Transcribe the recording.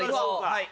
はい。